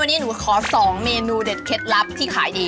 วันนี้หนูขอ๒เมนูเด็ดเคล็ดลับที่ขายดี